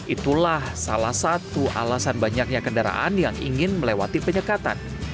itulah salah satu alasan banyaknya kendaraan yang ingin melewati penyekatan